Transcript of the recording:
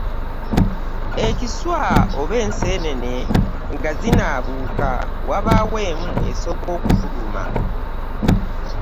Ekiswa oba enseenene nga zinaabuuka, wabaawo emu esooka okufuluma.